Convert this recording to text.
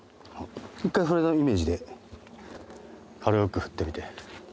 １回それのイメージで軽く振ってみて。